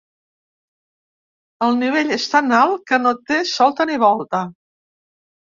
El nivell és tan alt, que no té solta ni volta.